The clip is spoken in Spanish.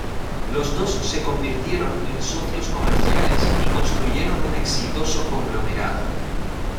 Los dos se convirtieron en socios comerciales y construyeron un exitoso conglomerado.